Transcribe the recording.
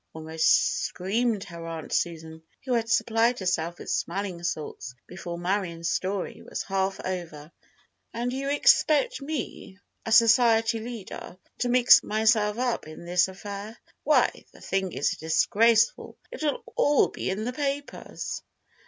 almost screamed her Aunt Susan, who had supplied herself with smelling salts before Marion's story was half over. "And you expect me, a society leader, to mix myself up in this affair! Why, the thing is disgraceful! It will all be in the papers!"